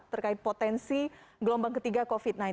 terkait potensi gelombang ketiga covid sembilan belas